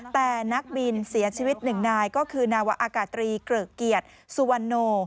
แต่นักบินเสียชีวิตหนึ่งนายก็คือนาวะอากาศตรีเกริกเกียรติสุวรรณโน